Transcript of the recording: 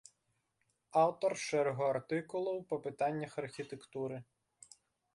Аўтар шэрагу артыкулаў па пытаннях архітэктуры.